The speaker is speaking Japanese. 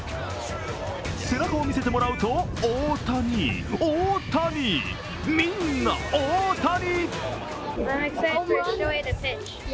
背中を見せてもらうと、大谷、大谷、みんな大谷。